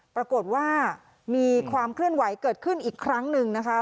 ปรากฏว่ามีความเคลื่อนไหวเกิดขึ้นอีกครั้งหนึ่งนะคะ